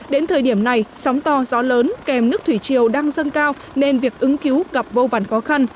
đến thời điểm này sóng to gió lớn kèm nước thủy triều đang dâng cao nên việc ứng cứu gặp vô vản khó khăn